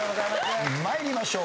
参りましょう。